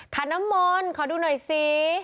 ขันน้ำมนต์ขอดูหน่อยสิ